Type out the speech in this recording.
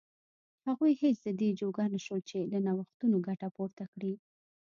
هغوی هېڅ د دې جوګه نه شول چې له نوښتونو ګټه پورته کړي.